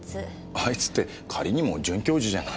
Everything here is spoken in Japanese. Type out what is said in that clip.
あいつって仮にも准教授じゃない。